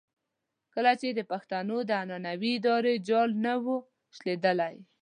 کله چې د پښتنو د عنعنوي ادارې جال نه وو شلېدلی.